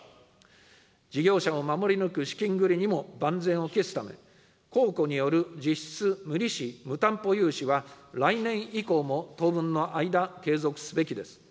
事業者を守り抜く資金繰りにも万全を期すため、公庫による実質無利子・無担保融資は来年以降も当分の間、継続すべきです。